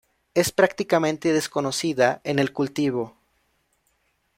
Es prácticamente desconocida en el cultivo.